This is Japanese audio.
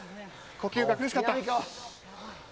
呼吸が苦しかった？